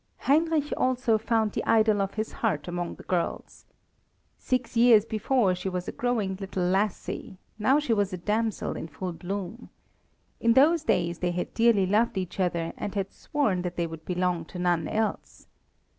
Heinrich also found the idol of his heart among the girls. Six years before she was a growing little lassie, now she was a damsel in full bloom. In those days they had dearly loved each other, and had sworn that they would belong to none else.